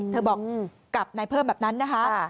บอกกับนายเพิ่มแบบนั้นนะคะ